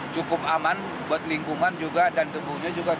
cukup aman buat lingkungan juga dan debunya juga tidak